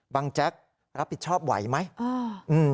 บังแจ็ครับผิดชอบไหวไหม